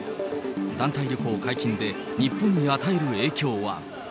団体旅行解禁で、日本に与える影響は。